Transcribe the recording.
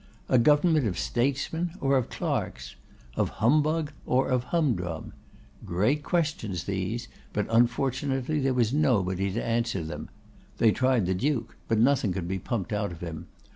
A government of statesmen or of clerks? Of Humbug or of Humdrum? Great questions these, but unfortunately there was nobody to answer them. They tried the Duke; but nothing could be pumped out of him.